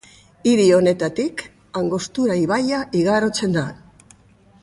Hiri honetatik Angostura ibaia igarotzen da.